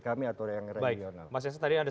kami atau yang regional baik mas yasa tadi ada